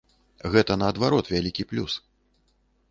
Гэта, наадварот, вялікі плюс.